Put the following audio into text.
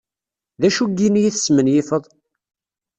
D acu n yini i tesmenyifiyeḍ?